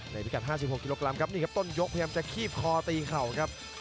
พิกัด๕๖กิโลกรัมครับนี่ครับต้นยกพยายามจะคีบคอตีเข่าครับ